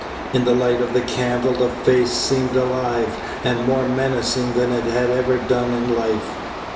In the light of the candle the face seemed alive and more menacing than it had ever done in life.